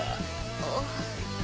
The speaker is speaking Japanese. あっ。